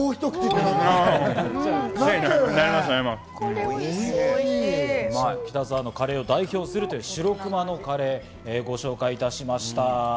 下北沢のカレーを代表するという４６ｍａのカレーをご紹介いたしました。